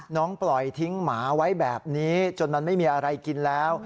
ปล่อยทิ้งหมาไว้แบบนี้จนมันไม่มีอะไรกินแล้ว